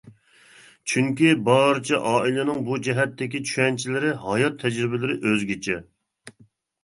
چۈنكى، بارچە ئائىلىنىڭ بۇ جەھەتتىكى چۈشەنچىلىرى، ھايات تەجرىبىلىرى ئۆزگىچە.